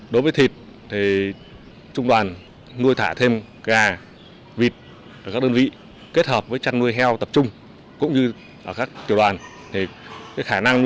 đối với thịt trung đoàn nuôi thả thêm gà vịt các đơn vị kết hợp với chăn nuôi heo tập trung